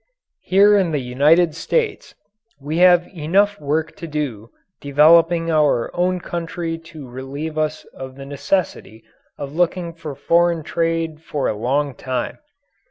Here in the United States we have enough work to do developing our own country to relieve us of the necessity of looking for foreign trade for a long time.